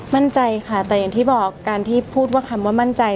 มั่นใจค่ะแต่อย่างที่บอกการที่พูดว่าคำว่ามั่นใจ